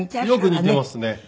よく似てますね。